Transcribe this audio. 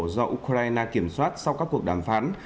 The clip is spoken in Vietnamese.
do ukraine kiểm soát sau các cuộc đàm phán